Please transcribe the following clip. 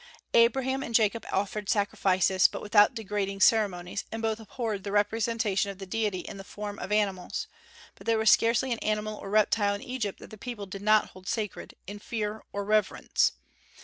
Abraham and Jacob offered sacrifices, but without degrading ceremonies, and both abhorred the representation of the deity in the form of animals; but there was scarcely an animal or reptile in Egypt that the people did not hold sacred, in fear or reverence.